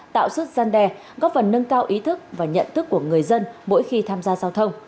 tạo sức gian đe góp phần nâng cao ý thức và nhận thức của người dân mỗi khi tham gia giao thông